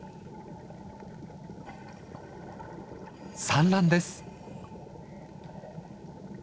産卵です。